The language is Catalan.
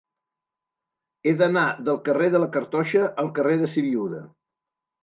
He d'anar del carrer de la Cartoixa al carrer de Sibiuda.